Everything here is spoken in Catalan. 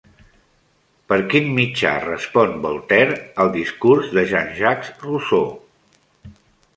Per quin mitjà respon Voltaire al Discurs de Jean-Jacques Rousseau?